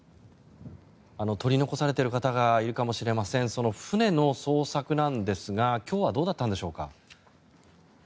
取り残されている方がいるかもしれませんその船の捜索なんですが今日はどうだったんでしょうか。